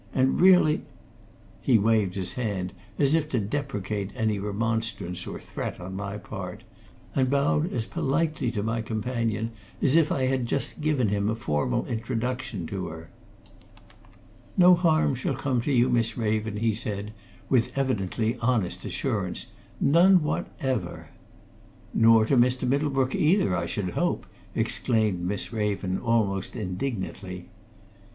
And really " He waved his hand as if to deprecate any remonstrance or threat on my part, and bowed as politely to my companion as if I had just given him a formal introduction to her. "No harm shall come to you, Miss Raven," he said, with evidently honest assurance. "None whatever!" "Nor to Mr. Middlebrook, either, I should hope!" exclaimed Miss Raven, almost indignantly.